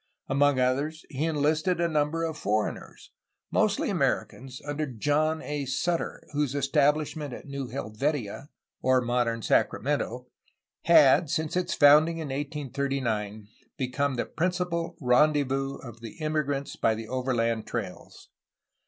Among others he enUsted a number of foreigners, mostly Americans, under John A. Sutter, whose establishment at New Helvetia (modern Sacramento) had, since its founding in 1839, become the principal rendezvous of the immigrants by the overland trails.